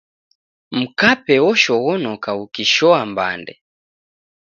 Mkape oshoghonoka ukishoa mbande.